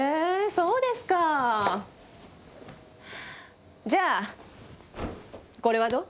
そうですかじゃあこれはどう？